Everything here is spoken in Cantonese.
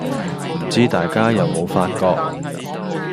唔知大家有冇發覺